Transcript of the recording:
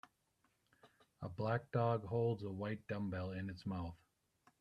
A black dog holds a small white dumbbell in its mouth.